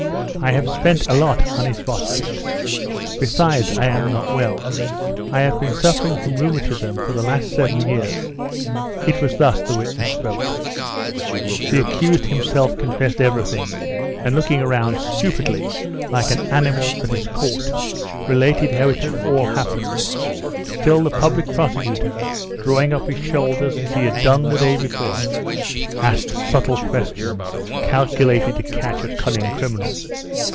I have spent a lot on isvostchiks. Besides, I am not well. I have been suffering from rheumatism for the last seven years." It was thus the witness spoke. The accused himself confessed everything, and looking round stupidly, like an animal that is caught, related how it had all happened. Still the public prosecutor, drawing up his shoulders as he had done the day before, asked subtle questions calculated to catch a cunning criminal.